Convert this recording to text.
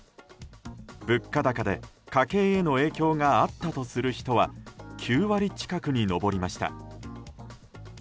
物価高で家計への影響があったとする人は９割近くに上りました。